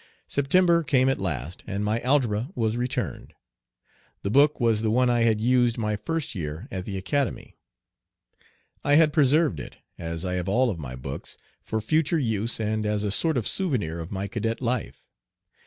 September came at last, and my algebra was returned. The book was the one I had used my first year at the Academy. I had preserved it, as I have all of my books, for future use and as a sort of souvenir of my cadet life.